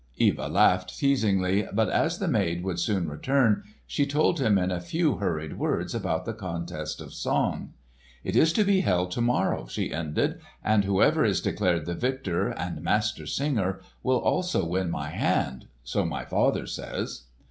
Eva laughed teasingly, but as the maid would soon return she told him in a few hurried words about the contest of song. "It is to be held to morrow," she ended, "and whoever is declared the victor and Master Singer will also win my hand—so my father says."